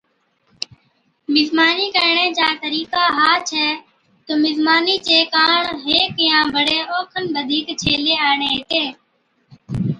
مزمانِي ڪرڻي چا طرِيقا ها ڇَي تہ مزمانِي چي ڪاڻ ھيڪ يا بڙي اوکن بڌِيڪ ڇيلي آڻي ھِتين